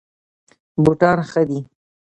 بوټان ښه دي.